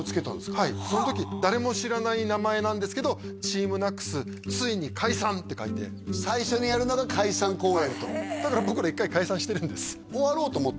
はいその時誰も知らない名前なんですけどって書いて最初にやるのが解散公演とだから僕ら１回解散してるんです終わろうと思った？